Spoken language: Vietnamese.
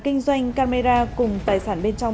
kinh doanh camera cùng tài sản bên trong